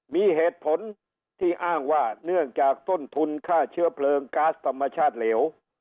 มีเหตุผลที่อ้างว่าเนื่องจากต้นทุนค่าเชื้อเพลิงก๊าซธรรมชาติเหลว